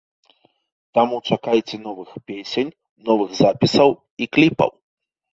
Таму чакайце новых песень, новых запісаў і кліпаў!